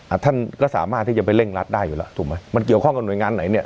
ท่านก็สามารถที่จะไปเร่งรัดได้อยู่แล้วถูกไหมมันเกี่ยวข้องกับหน่วยงานไหนเนี่ย